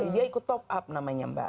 dia ikut top up namanya mbak